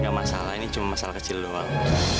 gak masalah ini cuma masalah kecil doang